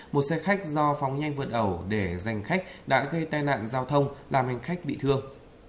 một xe khách do phóng nhanh vượt ẩu để giành khách đã gây tai nạn giao thông làm hành khách bị thương